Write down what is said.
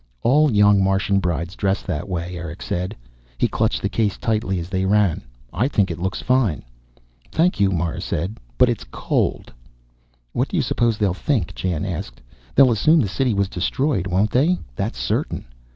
"All young Martian brides dress that way," Erick said. He clutched the case tightly as they ran. "I think it looks fine." "Thank you," Mara said, "but it is cold." "What do you suppose they'll think?" Jan asked. "They'll assume the City was destroyed, won't they? That's certain."